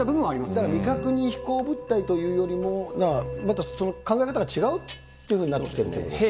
だから未確認飛行物体というよりも、また考え方が違うっていうふうになってきてるってことですか。